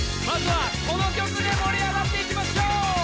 まずはこの曲でもりあがっていきましょう！